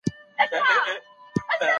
د سیمي هیوادونو سره انډول ساتل کیده.